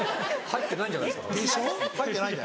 入ってないんじゃないですか？